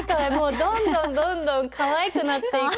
どんどんどんどんかわいくなっていく。